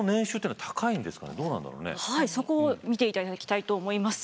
はいそこを見ていただきたいと思います。